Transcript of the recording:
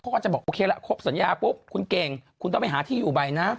เขาก็จะบอกโอเคละครบสัญญาปุ๊บคุณเก่งคุณต้องไปหาที่อยู่ใบนะ